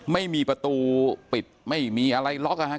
ไม่มีประตูปิดไม่มีอะไรล็อก